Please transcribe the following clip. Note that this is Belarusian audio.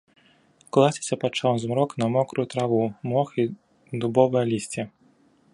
Класціся пачаў змрок на мокрую траву, мох і дубовае лісце.